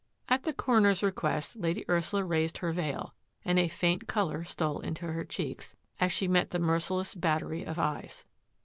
At the coroner's request. Lady Ursula raised her veil and a faint colour stole into her cheeks as she met the merciless battery of eyes.